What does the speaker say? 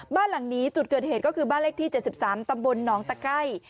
บ้านหลังนี้จุดเกิดเหตุก็คือบ้านเลขที่๗๓ตำบลหนองตะไก้